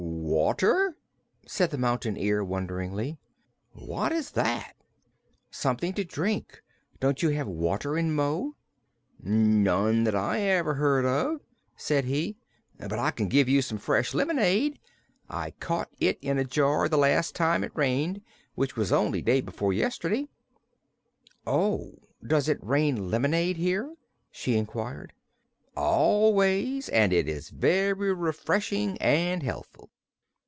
"Water?" said the Mountain Ear wonderingly. "What is that?" "Something to drink. Don't you have water in Mo?" "None that ever I heard of," said he. "But I can give you some fresh lemonade. I caught it in a jar the last time it rained, which was only day before yesterday." "Oh, does it rain lemonade here?" she inquired. "Always; and it is very refreshing and healthful."